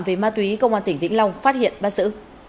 và lực lượng công an tỉnh vĩnh long phát hiện bắt giữ